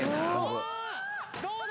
どうだ！？